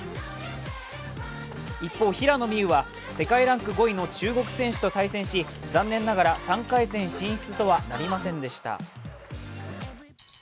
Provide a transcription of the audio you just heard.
一方、平野美宇は世界ランク５位の中国選手と対戦し残念ながら３回戦進出とはなりませんでした。